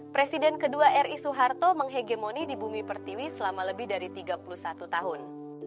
presiden kedua ri soeharto menghegemoni di bumi pertiwi selama lebih dari tiga puluh satu tahun